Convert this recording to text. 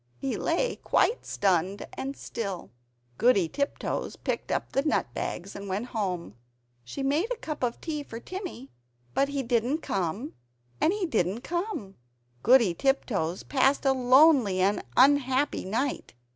He lay quite stunned and still. Goody Tiptoes picked up the nut bags and went home. She made a cup of tea for Timmy; but he didn't come and didn't come. Goody Tiptoes passed a lonely and unhappy night.